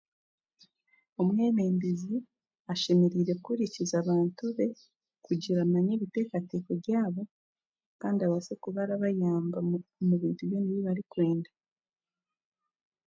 Omwebembezi ashemereire kuhurikiriza abantu be, kugire amanye ebiteekateeko byabo kandi abaase kuba arabayamba mu bi mu bintu byona ebi barikwenda.